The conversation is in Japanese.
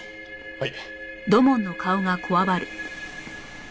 はい。